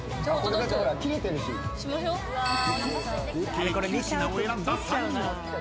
［合計９品を選んだ３人］